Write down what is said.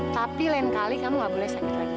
tapi lain kali kamu gak boleh sakit lagi